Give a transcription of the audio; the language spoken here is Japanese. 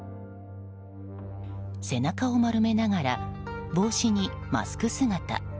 背中を丸めながら帽子にマスク姿。